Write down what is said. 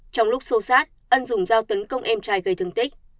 trong lúc xô sát ân dùng dao tấn công em trai gây thương tích